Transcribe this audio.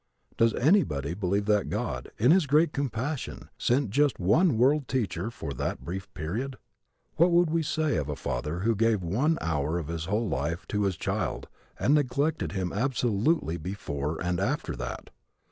Does anybody believe that God, in his great compassion, sent just one World Teacher for that brief period? What would we say of a father who gave one hour of his whole life to his child and neglected him absolutely before and after that?